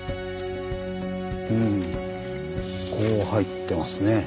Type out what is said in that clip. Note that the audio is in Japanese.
こう入ってますね。